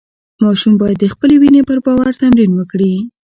ماشوم باید د خپلې وینې پر باور تمرین وکړي.